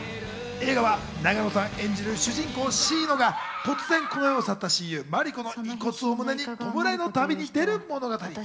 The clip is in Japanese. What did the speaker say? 映画は永野さん演じる主人公・シイノが突然この世を去った親友マリコの遺骨を胸に、弔いの旅に出る物語。